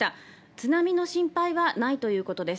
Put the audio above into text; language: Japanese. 津波の心配はないということです。